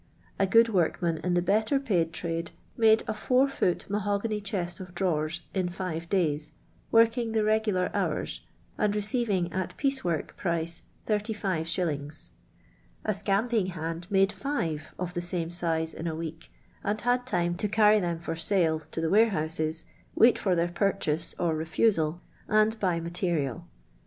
A good workman in the better paid trade made a four foot mahogany chest of drawers in five days, working the regular hours, and receiving, at piece>work price, 35«. A scamping hand made five of the same size in a week, and had time to carry them for sale to the warehouses, vrait for their purchase or refusal, and buy material.